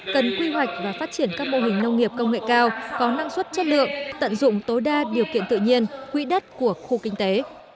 cần quy hoạch và phát triển các mô hình nông nghiệp công nghệ cao có năng suất chất lượng tận dụng tối đa điều kiện tự nhiên quỹ đất của khu kinh tế